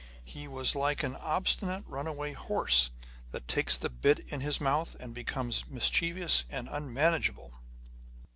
He was like an obstinate runaway horse, that takes the bit in his mouth, and becomes mischievous and unmanageable.